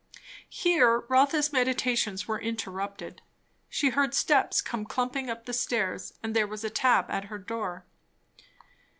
Here Rotha's meditations were interrupted. She heard steps come clumping up the stairs, and there was a tap at her door.